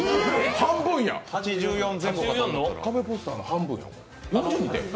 半分や、カベポスターの半分やわ。